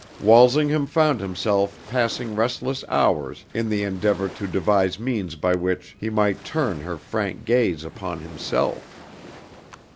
Walsingham found himself passing restless hours in the endeavor to devise means by which he might turn her frank gaze upon himself.